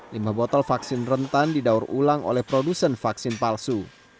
lima botol vaksin rentan didaur ulang oleh produsen vaksin palsu